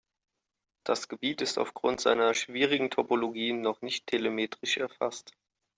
Das Gebiet ist aufgrund seiner schwierigen Topologie noch nicht telemetrisch erfasst.